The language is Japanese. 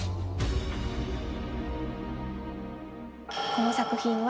この作品は。